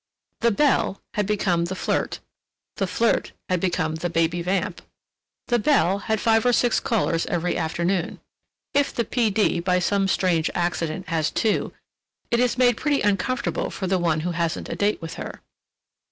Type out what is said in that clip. The "belle" had become the "flirt," the "flirt" had become the "baby vamp." The "belle" had five or six callers every afternoon. If the P. D., by some strange accident, has two, it is made pretty uncomfortable for the one who hasn't a date with her.